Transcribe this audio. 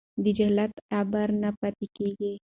د جهالت غبار نه پاتې کېږي.